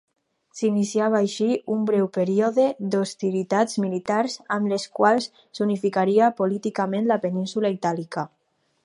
S'iniciava així, un breu període d'hostilitats militars amb les quals s'unificaria políticament la península Itàlica.